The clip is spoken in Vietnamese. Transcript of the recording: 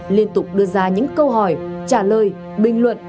liên tục đưa ra những câu hỏi trả lời bình luận